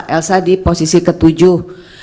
elsa di posisi ketujuh